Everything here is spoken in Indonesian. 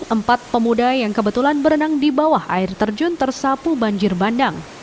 empat pemuda yang kebetulan berenang di bawah air terjun tersapu banjir bandang